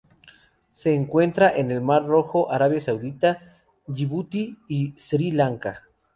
Se encuentra en el Mar Rojo, Arabia Saudita, Yibuti y Sri Lanka.